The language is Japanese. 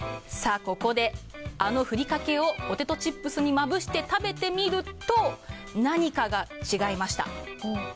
ここであのふりかけをポテトチップスにまぶして食べてみると何かが違いました。